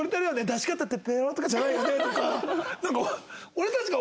出し方ってペロッとかじゃないよね」とか。